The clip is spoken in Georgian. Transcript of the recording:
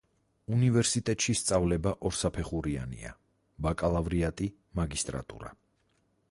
უნივერსიტეტში სწავლება ორსაფეხურიანია: ბაკალავრიატი, მაგისტრატურა.